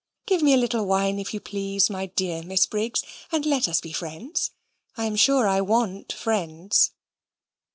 Give me a little wine if you please, my dear Miss Briggs, and let us be friends. I'm sure I want friends."